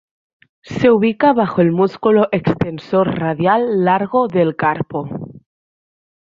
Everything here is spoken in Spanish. Se ubica bajo el músculo extensor radial largo del carpo.